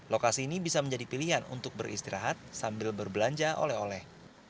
lokasi ini bisa menjadi pilihan untuk beristirahat sambil berbelanja oleh oleh